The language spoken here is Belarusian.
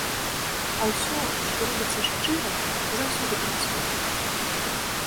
А ўсё, што робіцца шчыра, заўсёды працуе.